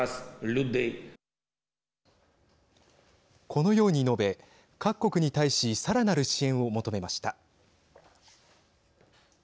このように述べ各国に対しさらなる支援を求めました。